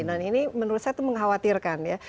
nah ini menurut saya itu mengkhawatirkan ya